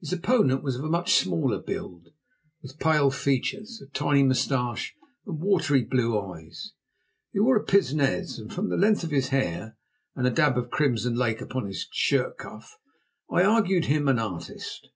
His opponent was of a much smaller build, with pale features, a tiny moustache, and watery blue eyes. He wore a pince nez, and from the length of his hair and a dab of crimson lake upon his shirt cuff, I argued him an artist.